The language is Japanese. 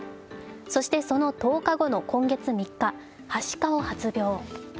そして、その１０日後の今月３日はしかを発病。